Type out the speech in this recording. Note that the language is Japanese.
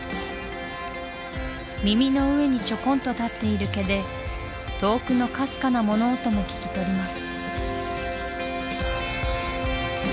耳の上にチョコンと立っている毛で遠くのかすかな物音も聞き取ります